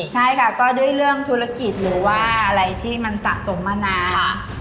ใช่ค่ะก็ด้วยเรื่องธุรกิจหรือว่าอะไรที่มันสะสมมานาน